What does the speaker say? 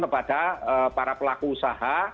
kepada para pelaku usaha